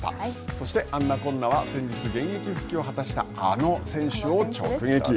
そしてあんなこんなは先日現役復帰を果たしたあの選手を直撃。